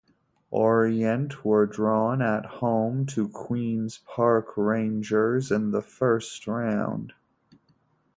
Orient were drawn at home to Queens Park Rangers in the first round.